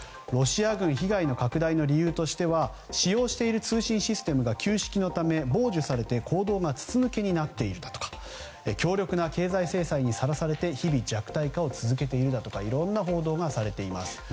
ロシア軍の被害の拡大の理由としては使用している通信システムが旧式のため、傍受されて行動が筒抜けになっているだとか強力な経済制裁にさらされて日々、弱体化を続けているとかいろんな報道がされています。